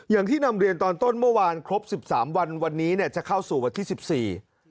อย่างที่นำเรียนตอนต้นเมื่อวานครบ๑๓วันวันนี้จะเข้าสู่วันที่๑๔